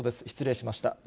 失礼しました。